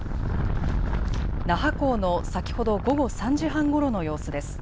那覇港の先ほど午後３時半ごろの様子です。